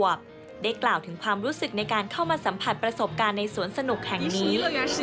ได้กล่าวถึงความรู้สึกในการเข้ามาสัมผัสประสบการณ์ในสวนสนุกแห่งนี้